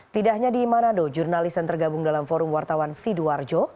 tidak hanya di manado jurnalis yang tergabung dalam forum wartawan sidoarjo